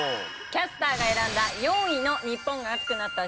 キャスターが選んだ４位の日本が熱くなった！